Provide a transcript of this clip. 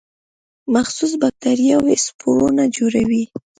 مخصوص باکتریاوې سپورونه جوړوي.